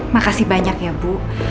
makasih banyak ya bu